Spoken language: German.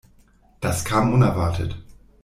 Das kam unerwartet.